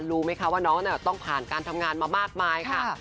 รู้ไหมคะว่าน้องต้องผ่านการทำงานมามากมายค่ะ